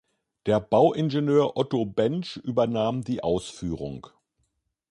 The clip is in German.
Der Bauingenieur Otto Baensch übernahm die Ausführung.